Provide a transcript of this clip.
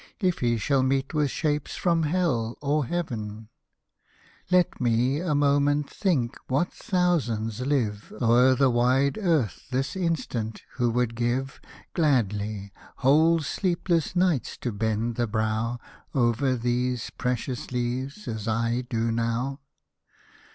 If he shall meet with shapes from hell or heaven — Let me, a moment, think what thousands live O'er the wide earth this instant, who would give. Gladly, whole sleepless nights to bend the brow Over these precious leaves, as I do now.